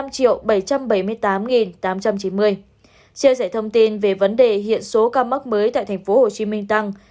chia sẻ thông tin về vấn đề hiện số ca mắc mới tại tp hcm tăng